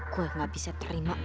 gue gak bisa terima